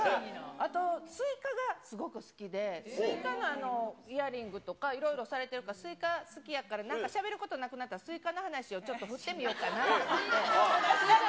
あとスイカがすごく好きで、スイカのイヤリングとか、いろいろされてるから、スイカ好きやから、なんかしゃべることなくなったらスイカの話をちょっと振ってみようかなと思って。